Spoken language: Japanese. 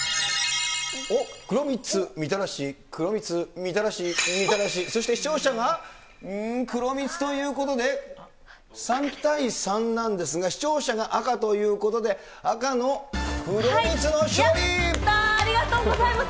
おっ、黒みつ、みたらし、黒みつ、みたらし、みたらし、そして視聴者が黒みつということで、３対３なんですが、視聴者が赤ということで、やったー、ありがとうございます。